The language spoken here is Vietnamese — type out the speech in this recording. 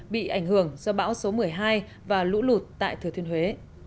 bị ảnh hưởng do bão số một mươi hai và lũ lụt tại thừa thiên huế